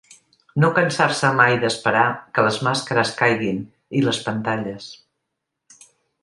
No cansar-se mai d'esperar que les màscares caiguin, i les pantalles.